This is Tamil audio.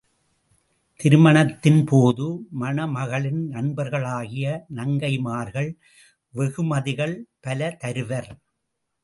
திருமணத்தின் போது மணமகளின் நண்பர்களாகிய நங்கைமார்கள் வெகுமதிகள் பல தருவர்.